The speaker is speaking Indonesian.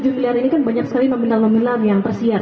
tujuh miliar ini kan banyak sekali nominal nominal yang tersiar